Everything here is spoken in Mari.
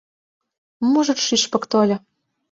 Мужыр шÿшпык тольо